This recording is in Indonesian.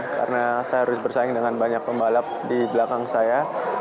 karena saya harus bersaing dengan banyak pembalap di belakang saya